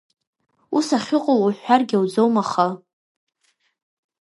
Ус ахьыҟало уҳәҳәаргьы ауӡом, аха…